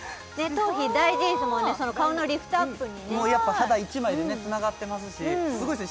頭皮大事ですもんね顔のリフトアップにねやっぱ肌一枚でつながってますしすごいですね